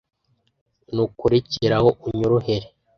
nuko rekera aho unyorohere,